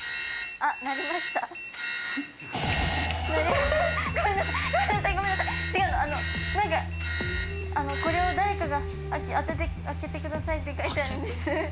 あのなんかこれを誰かが当ててくださいって書いてあるんです。